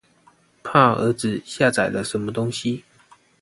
怕兒子下載了什麼東西